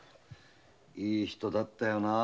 いい人だったよなぁ。